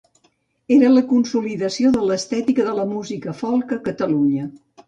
Era la consolidació de l’estètica de la música folk a Catalunya.